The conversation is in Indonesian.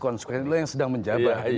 konsekuensi yang sedang menjabat